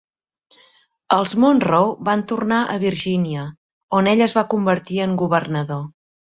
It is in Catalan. Els Monroe van tornar a Virgínia, on ell es va convertir en governador.